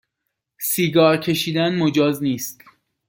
سیگار کشیدن مجاز نیست